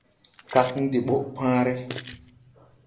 Kagn de ɓɔʼ pããre.